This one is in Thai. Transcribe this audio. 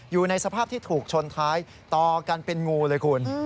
อยู่ในสภาพที่ถูกชนท้ายต่อกันเป็นงูเลยคุณ